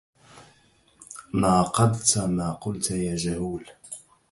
ناقضت ما قلت يا جهول